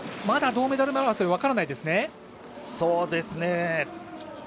まだ銅メダル争いは分からないですね。